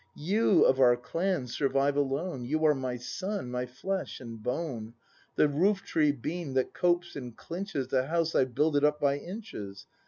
You of our clan survive alone. You are my son, my flesh and bone; The roof tree beam that copes and clinches The house I've builded up by inches.